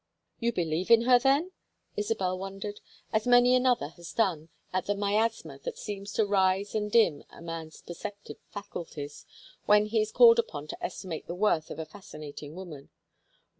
"You believe in her, then?" Isabel wondered, as many another has done, at the miasma that seems to rise and dim a man's perceptive faculties when he is called upon to estimate the worth of a fascinating woman.